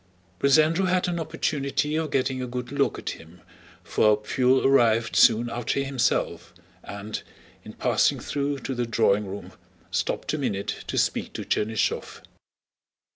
Prince Andrew had an opportunity of getting a good look at him, for Pfuel arrived soon after himself and, in passing through to the drawing room, stopped a minute to speak to Chernýshev.